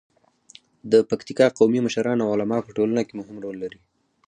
د پکتیکا قومي مشران او علما په ټولنه کې مهم رول لري.